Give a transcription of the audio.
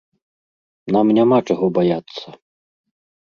Нам няма чаго баяцца.